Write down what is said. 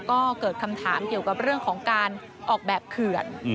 ก็เกิดคำถามเกี่ยวกับเรื่องของการออกแบบเขื่อน